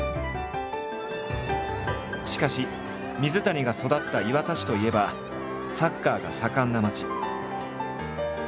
しかし水谷が育った磐田市といえばサッカーが盛んな街。